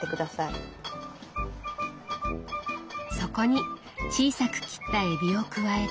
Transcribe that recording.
そこに小さく切ったえびを加えて。